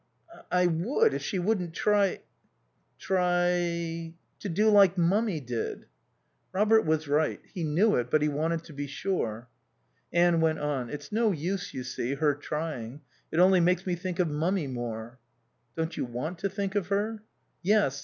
"I I would, if she wouldn't try " "Try?" "To do like Mummy did." Robert was right. He knew it, but he wanted to be sure. Anne went on. "It's no use, you see, her trying. It only makes me think of Mummy more." "Don't you want to think of her?" "Yes.